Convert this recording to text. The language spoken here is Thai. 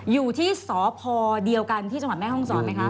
อยู่ที่สพเดียวกันที่จังหวัดแม่ห้องศรไหมคะ